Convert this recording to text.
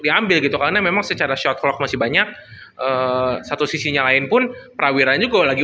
diambil gitu karena memang secara shortvlog masih banyak satu sisinya lain pun prawiran juga lagi